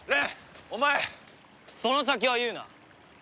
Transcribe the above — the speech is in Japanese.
その先は言うな。